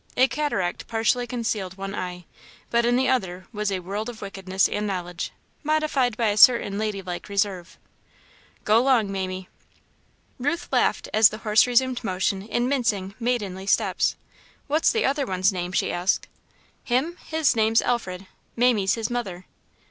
A cataract partially concealed one eye, but in the other was a world of wickedness and knowledge, modified by a certain lady like reserve. "G' long, Mamie!" Ruth laughed as the horse resumed motion in mincing, maidenly steps. "What's the other one's name?" she asked. "Him? His name's Alfred. Mamie's his mother."